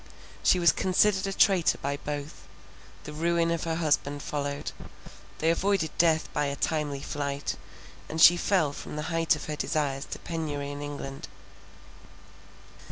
She was considered a traitor by both, the ruin of her husband followed; they avoided death by a timely flight, and she fell from the height of her desires to penury in England.